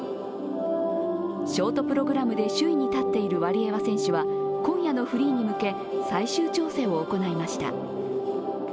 ショートプログラムで首位に立っているワリエワ選手は今夜のフリーに向け、最終調整を行いました。